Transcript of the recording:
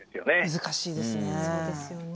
難しいですね。